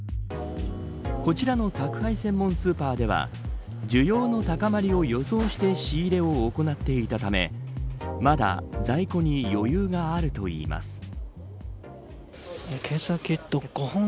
こちらの宅配専門スーパーでは需要の高まりを予想して仕入れを行っていたためまだ在庫に余裕があるといいます。